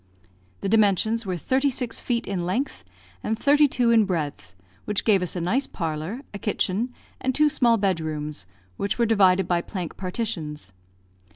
The dimensions were thirty six feet in length, and thirty two in breadth, which gave us a nice parlour, a kitchen, and two small bed rooms, which were divided by plank partitions.